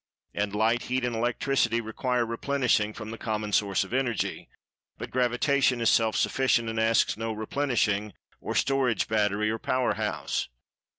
And Light, Heat and Electricity require replenishing from the common source of Energy, but Gravitation is self sufficient and asks no replenishing or storage battery or power house.